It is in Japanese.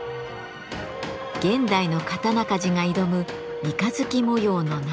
現代の刀鍛冶が挑む三日月模様の謎。